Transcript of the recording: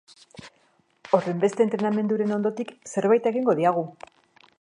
Horrenbeste entrenamenduren ondotik zerbait egingo diagu!